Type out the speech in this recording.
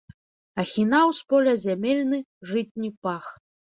Ахінаў з поля зямельны жытні пах.